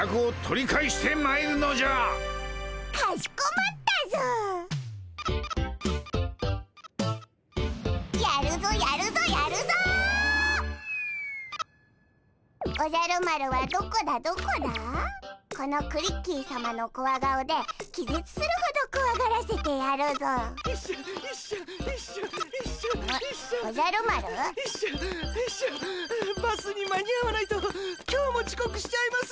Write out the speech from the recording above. ヨイショヨイショバスに間に合わないと今日もちこくしちゃいます！